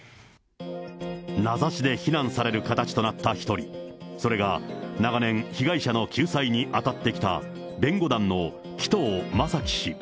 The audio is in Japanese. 名指しで非難される形となった一人、それが長年、被害者の救済に当たってきた弁護団の紀藤正樹氏。